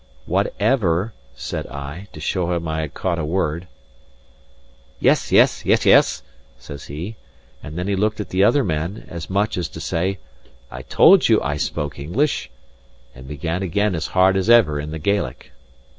"Whatever," said I, to show him I had caught a word. "Yes, yes yes, yes," says he, and then he looked at the other men, as much as to say, "I told you I spoke English," and began again as hard as ever in the Gaelic.